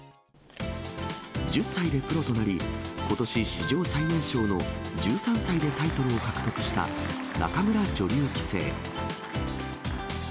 １０歳でプロとなり、ことし、史上最年少の１３歳でタイトルを獲得した仲邑女流棋聖。